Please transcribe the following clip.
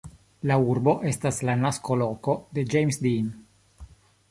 La urbo estas la nasko-loko de James Dean.